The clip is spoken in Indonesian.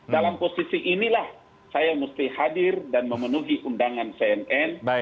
dalam posisi inilah saya mesti hadir dan memenuhi undangan cnn